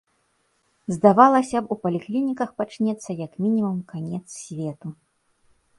Здавалася б, у паліклініках пачнецца як мінімум канец свету.